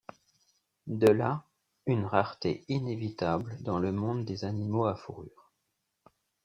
De là, une rareté inévitable dans le nombre des animaux à fourrures.